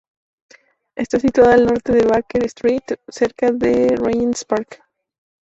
Está situada al Norte de Baker Street, cerca del Regent's Park.